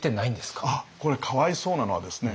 これかわいそうなのはですね